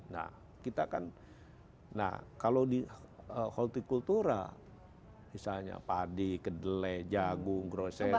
nah kita kan kalau di horticultura misalnya padi kedelai jagung groceries